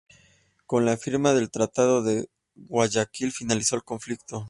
Con la firma del tratado de Guayaquil, finalizó el conflicto.